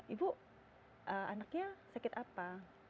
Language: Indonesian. ibu anaknya sakit apa